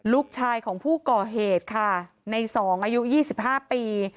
ลูกชายของผู้ก่อเหตุค่ะใน๒อายุ๒๕ปี